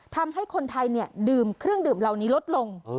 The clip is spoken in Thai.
ทำให้คนไทยดื่มเครื่องดื่มเหล่านี้ลดลง